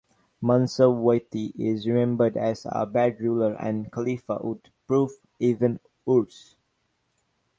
Mansa Wati is remembered as a bad ruler, and Khalifa would prove even worse.